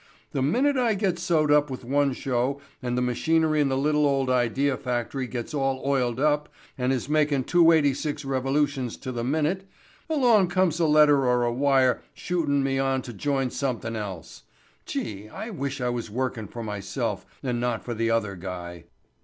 The minute I get sewed up with one show and the machinery in the little old idea factory gets all oiled up and is makin' 286 revolutions to the minute, along comes a letter or a wire shootin' me on to join somethin' else. Gee, I wish I was workin' for myself and not for the other guy."